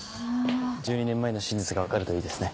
１２年前の真実が分かるといいですね。